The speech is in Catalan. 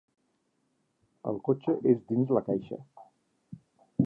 El cotxe és dins la caixa.